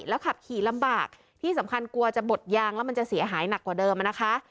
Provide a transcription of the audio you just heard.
ขับขี่ลำบากที่สำคัญกลัวจะบดยางแล้วมันจะเสียหายหนักกว่าเดิมนะคะ